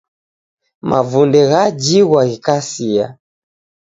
Mavunde ghajighwa ghikasia.